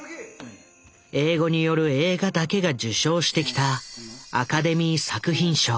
英語による映画だけが受賞してきたアカデミー作品賞。